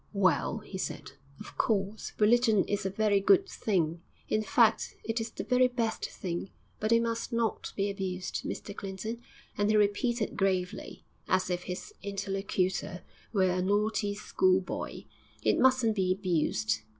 'Well,' he said, 'of course, religion is a very good thing; in fact, it is the very best thing; but it must not be abused, Mr Clinton,' and he repeated gravely, as if his interlocutor were a naughty schoolboy 'it mustn't be abused.